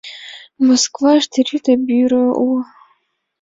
Москваште Рӱдӧ бюро уло.